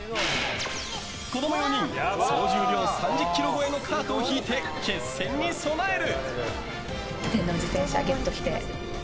子供４人、総重量３０ｋｇ超えのカートを引いて決戦に備える。